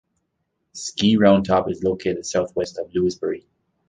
Ski Roundtop is located southwest of Lewisberry.